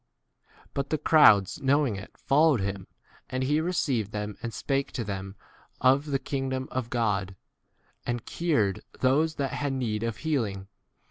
But the crowds knowing [it] followed him ; and he received them and spake to them of the kingdom of God, and cured those that had need of healing.